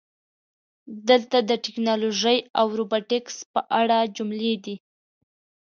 دلته د "ټکنالوژي او روبوټیکس" په اړه جملې دي: